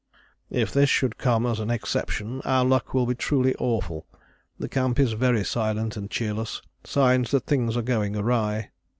"If this should come as an exception, our luck will be truly awful. The camp is very silent and cheerless, signs that things are going awry."